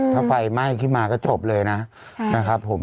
ถ้าไฟไหม้ขึ้นมาก็จบเลยนะครับผม